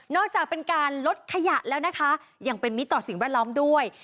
จากการลดขยะแล้วนะคะยังเป็นมิตรต่อสิ่งแวดล้อมด้วย